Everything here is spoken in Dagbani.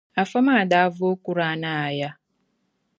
Afa maa da vooi Kurani aaya.